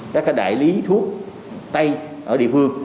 các đại lý thuốc tây ở địa phương